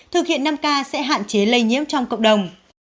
thực hiện năm k sẽ hạn chế lây nhiễm trong cộng đồng